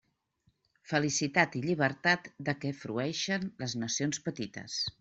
Felicitat i llibertat de què frueixen les nacions petites.